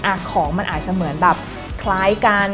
ของมันอาจจะเหมือนแบบคล้ายกัน